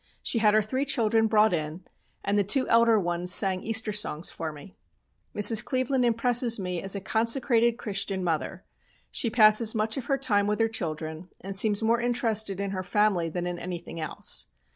She had her three children brought in, and the two elder ones sang Easter songs for me. Mrs. Cleveland impresses me as a consecrated Christian mother. She passes much of her time with her children, and seems more interested in her family than in anything else.